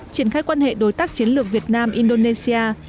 triển khai quan hệ đối tác chiến lược việt nam indonesia